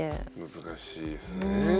難しいですね。